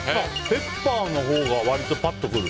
ペッパーのほうが割とパッとくる。